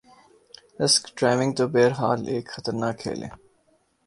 اسک diving تو بہر حال ایک خطر کھیل ہے